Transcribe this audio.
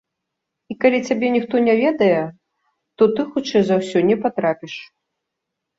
І калі цябе ніхто не ведае, то ты хутчэй за ўсё не патрапіш.